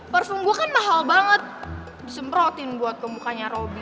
parfum gue kan mahal banget disemprotin buat kemukanya robby